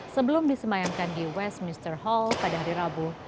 sebelum disemayamkan di westminster hall pada hari rabu